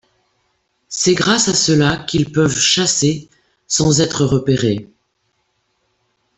C'est grâce à cela qu'ils peuvent chasser sans être repérés.